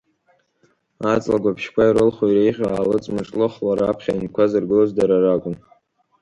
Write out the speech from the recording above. Аҵлагәаԥшьқәа ирылху иреиӷьу аалыҵ мыҿлыхла раԥхьа аҩнқәа зыргылоз дара ракәын.